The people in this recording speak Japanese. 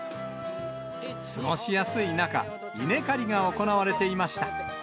過ごしやすい中、稲刈りが行われていました。